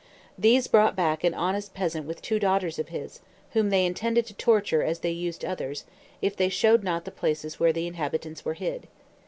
These brought back an honest peasant with two daughters of his, whom they intended to torture as they used others, if they showed not the places where the inhabitants were hid.